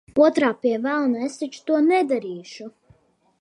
Otrā – pie velna, es taču to nedarīšu!